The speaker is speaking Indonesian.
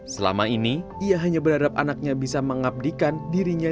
selama ini ia hanya berharap anaknya bisa mengabdikan dirinya